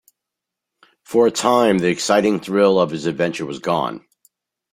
For a time the exciting thrill of his adventure was gone.